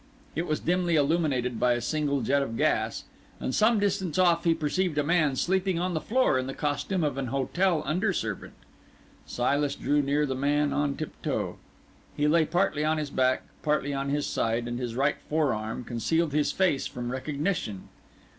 It was dimly illuminated by a single jet of gas; and some distance off he perceived a man sleeping on the floor in the costume of an hotel under servant. Silas drew near the man on tiptoe. He lay partly on his back, partly on his side, and his right forearm concealed his face from recognition.